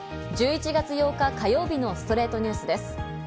１１月８日、火曜日の『ストレイトニュース』です。